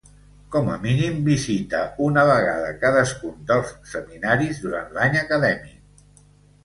Com a mínim visita una vegada cadascun dels seminaris durant l'any acadèmic.